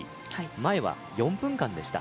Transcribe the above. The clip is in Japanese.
前は４分間でした。